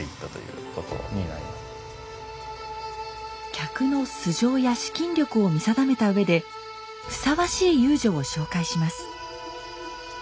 客の素性や資金力を見定めた上でふさわしい遊女を紹介します。